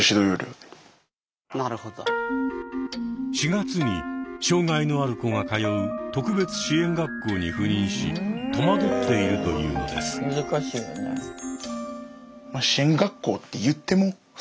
４月に障害のある子が通う特別支援学校に赴任し戸惑っているというのです。